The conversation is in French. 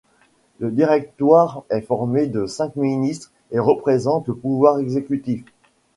Le directoire est formé de cinq ministres et représente le pouvoir exécutif.